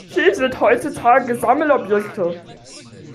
Sie sind heutzutage Sammelobjekte.